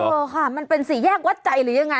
เออค่ะมันเป็นสี่แยกวัดใจหรือยังไง